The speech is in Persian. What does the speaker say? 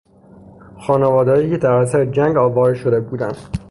خانوادههایی که در اثر جنگ آواره شده بودند